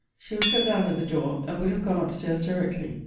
She was set down at the door; and would have gone up stairs directly.